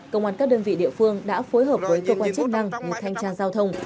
công an các đơn vị địa phương đã phối hợp với cơ quan chức năng một thanh tra giao thông